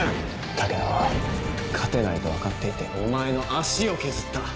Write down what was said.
武田は勝てないと分かっていてお前の足を削った。